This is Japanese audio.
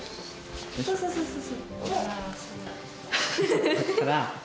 そうそうそうそう。